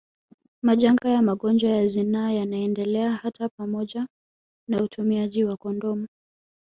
Majanga ya magonjwa ya zinaa yanaendelea hata pamoja na utumiaji wa kondomu